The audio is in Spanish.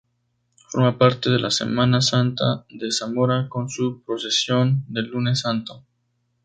Forma parte de la Semana Santa de Zamora con su procesión del Lunes Santo.